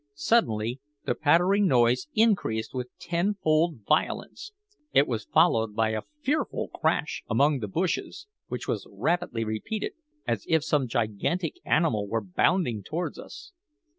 Suddenly the pattering noise increased with tenfold violence. It was followed by a fearful crash among the bushes, which was rapidly repeated, as if some gigantic animal were bounding towards us.